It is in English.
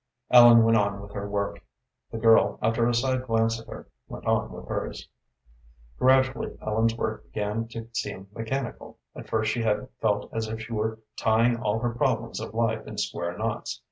Ellen went on with her work. The girl, after a side glance at her, went on with hers. Gradually Ellen's work began to seem mechanical. At first she had felt as if she were tying all her problems of life in square knots.